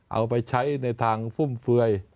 เอาไปใช้ในทางฟุ่มเฟือย